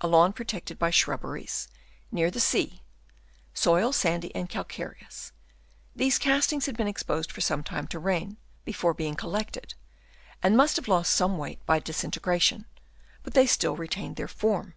a lawn pro tected by shrubberies, near the sea ; soil sandy and > calcareous ; these castings had been exposed for some time to rain, before being collected, and must have lost some weight by disintegration, but they still re tained their form